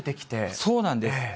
そうなんです。